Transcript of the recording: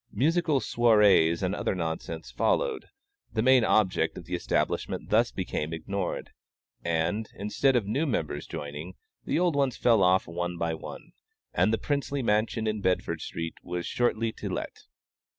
Musical soirées and other nonsense followed; the main object of the establishment thus became ignored, and, instead of new members joining, the old ones fell off one by one, and the princely mansion in Bedford street was shortly to let.